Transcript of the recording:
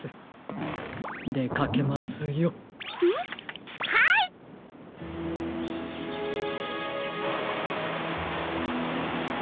でかけますよ。はいっ！